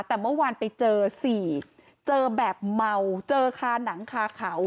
แต่เมื่อวานไปเจอสี่เจอแบบเมาเจอคาหนังคาเขา